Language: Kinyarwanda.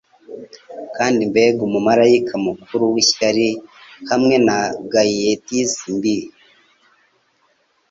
Kandi mbega umumarayika mukuru w'ishyari hamwe na gaieties mbi